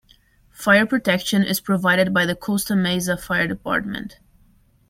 Fire protection is provided by the Costa Mesa Fire Department.